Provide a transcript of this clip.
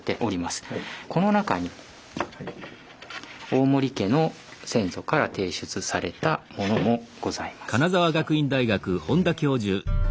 この中に大森家の先祖から提出されたものもございます。